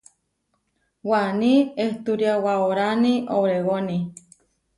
Waní ehturiawaoráni obregoni.